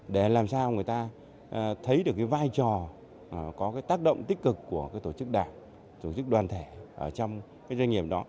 để làm sao người ta thấy được cái vai trò có cái tác động tích cực của tổ chức đảng tổ chức đoàn thể ở trong cái doanh nghiệp đó